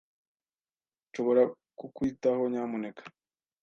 Nshobora kukwitaho, nyamuneka?